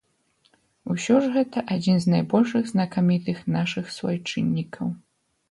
Усё ж гэта адзін з найбольш знакамітых нашых суайчыннікаў.